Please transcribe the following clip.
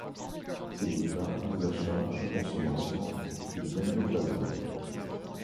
C’est le cas des achats de consommation de biens d’occasion.